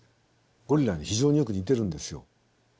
ゴリラに非常によく似てるんですよ。